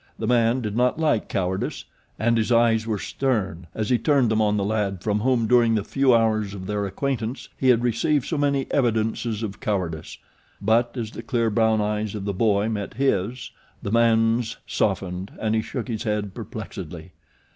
The man did not like cowardice and his eyes were stern as he turned them on the lad from whom during the few hours of their acquaintance he had received so many evidences of cowardice; but as the clear brown eyes of the boy met his the man's softened and he shook his head perplexedly.